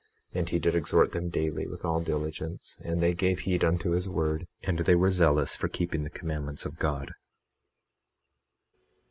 And he did exhort them daily, with all diligence; and they gave heed unto his word, and they were zealous for keeping the commandments of God.